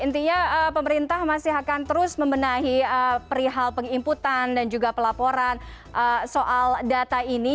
intinya pemerintah masih akan terus membenahi perihal penginputan dan juga pelaporan soal data ini